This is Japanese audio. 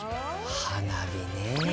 花火ね。